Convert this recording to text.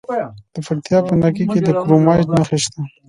د پکتیکا په نکې کې د کرومایټ نښې شته.